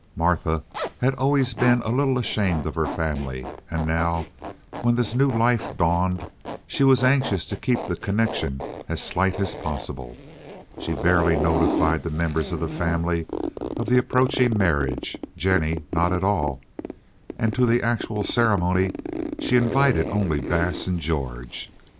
Martha had been always a little ashamed of her family, and now, when this new life dawned, she was anxious to keep the connection as slight as possible. She barely notified the members of the family of the approaching marriage—Jennie not at all—and to the actual ceremony she invited only Bass and George.